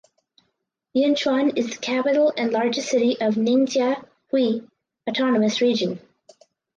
Yinchuan is the capital and largest city of Ningxia Hui Autonomous Region.